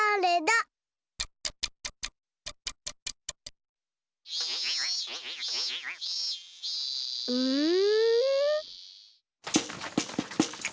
うん？